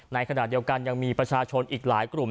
ในขณะเดียวกันยังมีประชาชนอีกหลายกลุ่ม